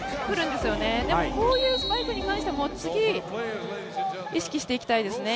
でも、こういうスパイクに関しても次、意識していきたいですね。